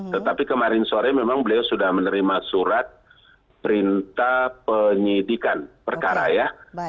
tetapi kemarin sore memang beliau sudah menerima surat perintah penyidikan perkara ya